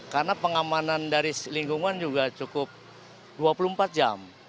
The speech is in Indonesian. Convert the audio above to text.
karena pengamanan dari lingkungan juga cukup dua puluh empat jam